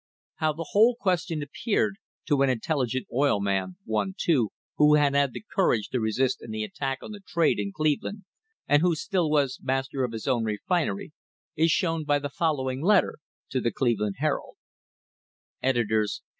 How the whole question appeared to an intelligent oil man, one, too, who had had the courage to resist in the attack on the trade in Cleveland, and who still was master of his own refinery, is shown by the following letter to the Cleve land Herald: Eds.